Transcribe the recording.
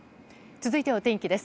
続いてはお天気です。